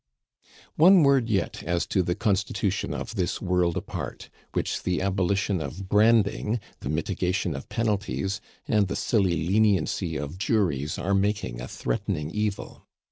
One word yet as to the constitution of this world apart, which the abolition of branding, the mitigation of penalties, and the silly leniency of furies are making a threatening evil.